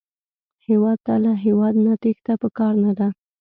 هېواد ته له هېواده نه تېښته پکار نه ده